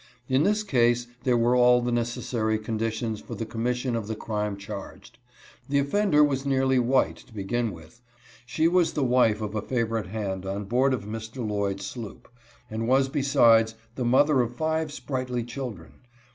In this case there were all the necessary condi tions for the commission of the crime charged. The offender was nearly white, to begin with ; she was the wife of a favorite hand on board of Mr. Lloyd's sloop, and was besides, the mother of five sprightly children.